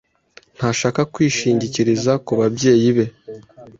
Ntashaka kwishingikiriza ku babyeyi be.